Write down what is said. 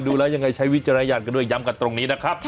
ดูแล้วยังไงใช้วิจารณญาณกันด้วยย้ำกันตรงนี้นะครับ